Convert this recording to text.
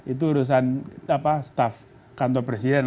itu urusan staf kantor presiden